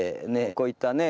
こういったね